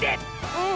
うん。